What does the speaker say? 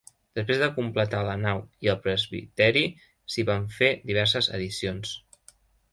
Després de completar la nau i el presbiteri, s'hi van fer diverses addicions.